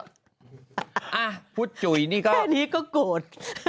เฮ้ออ่ะพูดจุ๋ยนี่ก็แม่นี้ก็โกรธ